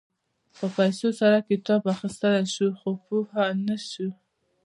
په پیسو سره کتاب اخيستلی شې خو پوهه نه شې.